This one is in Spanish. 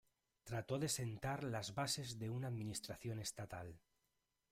Trató de sentar las bases de una administración estatal.